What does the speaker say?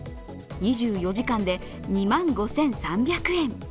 ２４時間で２万５３００円。